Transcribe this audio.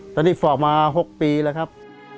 ตอนนี้สอบมา๖ปีแล้วครับ